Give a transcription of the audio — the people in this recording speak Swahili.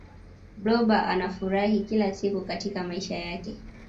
blob anafurahi kila siku katika maisha yake